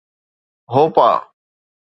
هوپا